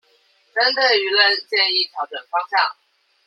針對輿論建議調整方向